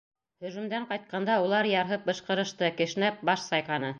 Һөжүмдән ҡайтҡанда улар ярһып бышҡырышты, кешнәп, баш сайҡаны.